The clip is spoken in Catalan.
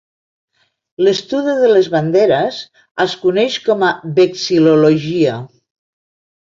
L'estudi de les banderes es coneix com a vexil·lologia.